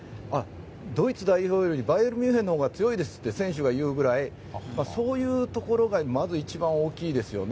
ドイツ代表よりバイエルン・ミュンヘンのほうが強いですって選手が言うくらいそういうところがまず、一番大きいですよね。